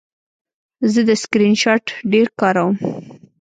زه د سکرین شاټ ډېر کاروم.